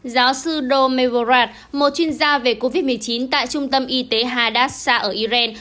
giáo sư romel morad một chuyên gia về covid một mươi chín tại trung tâm y tế hadassah ở iran